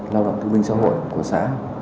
lao động thư minh xã hội của xã